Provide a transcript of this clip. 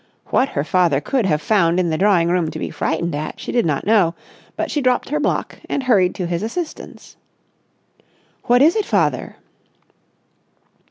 What her father could have found in the drawing room to be frightened at, she did not know; but she dropped her block and hurried to his assistance. "What is it, father?"